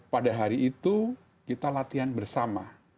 pada hari itu kita latihan bersama